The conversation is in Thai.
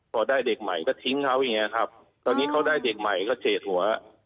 พอได้เด็กใหม่ก็ทิ้งเขาอย่างเงี้ยครับตอนนี้เขาได้เด็กใหม่ก็เฉดหัว